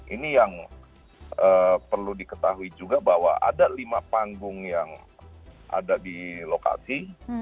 ini yang perlu diketahui juga bahwa ada lima panggung yang ada di lokasi